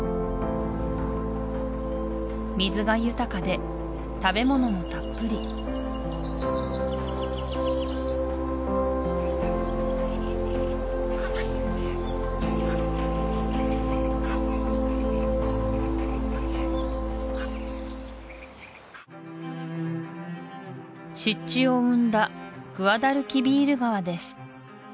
水が豊かで食べ物もたっぷり湿地を生んだグアダルキビール川です